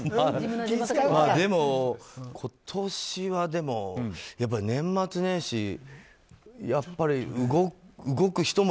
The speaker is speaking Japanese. でも、今年は年末年始にやっぱり動く人も。